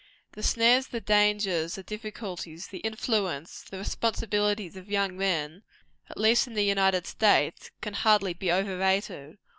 The snares, the dangers, the difficulties, the influence, the responsibilities of young men at least in the United States can hardly be overrated.